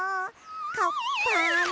かっぱの」